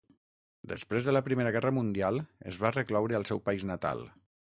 Després de la Primera Guerra Mundial, es va recloure al seu país natal.